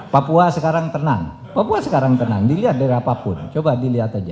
papua sekarang tenang papua sekarang tenang dilihat dari apapun coba dilihat aja